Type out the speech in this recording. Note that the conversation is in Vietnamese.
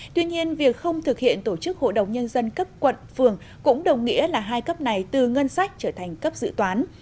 tuy nhiên việc không thực hiện tổ chức hội đồng nhân dân cấp quận phường cũng đồng nghĩa là hai cấp này từ ngân sách trở thành cấp dự toán